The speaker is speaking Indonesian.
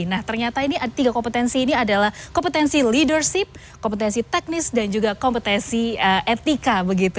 nah ternyata ini tiga kompetensi ini adalah kompetensi leadership kompetensi teknis dan juga kompetensi etika